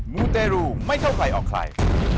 มูเตรูไม่เข้าใครออกใคร